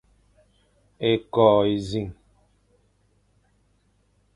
Ékôkh énẑiñ,